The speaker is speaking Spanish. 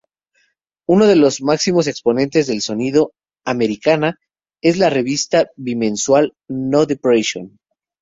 Uno de los máximos exponentes del sonido "americana" es la revista bimensual "No Depression".